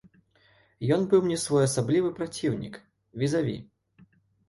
Ён быў мне своеасаблівы праціўнік, візаві.